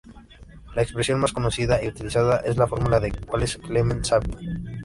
La expresión más conocida y utilizada es la fórmula de Wallace Clement Sabine.